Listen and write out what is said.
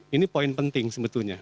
ini poin penting sebetulnya